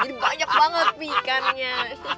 jadi banyak banget nih ikannya